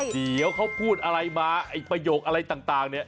เดี๋ยวเขาพูดอะไรมาไอ้ประโยคอะไรต่างเนี่ย